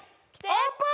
オープン！